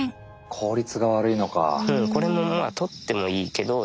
効率が悪いのか。